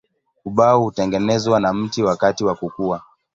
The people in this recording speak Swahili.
Ubao hutengenezwa na mti wakati wa kukua.